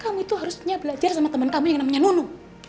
kamu itu harusnya belajar sama teman kamu yang namanya nunu